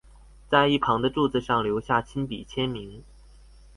在一旁的柱子上留下親筆簽名